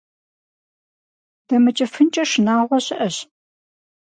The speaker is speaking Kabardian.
ДэмыкӀыфынкӀэ шынагъуэ щыӀэщ.